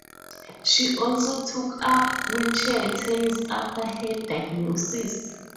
She also took up wheelchair tennis after her diagnosis.